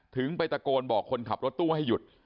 ถึงไปตะโกนบอกคนขับรถตู้ให้หยุด